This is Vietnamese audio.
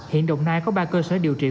hiện đồng nai có ba cơ sở điều trị